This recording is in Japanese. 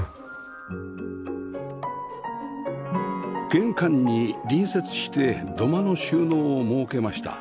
玄関に隣接して土間の収納を設けました